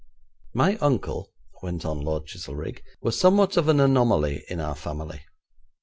'My uncle,' went on Lord Chizelrigg, 'was somewhat of an anomaly in our family.